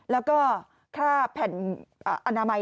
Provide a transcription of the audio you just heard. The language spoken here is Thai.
แล้วก็ค่าแผ่นอนามัย